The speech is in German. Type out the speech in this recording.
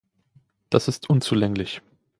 Das ist unzulänglich.